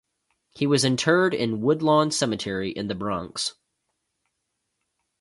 He was interred in Woodlawn Cemetery in The Bronx.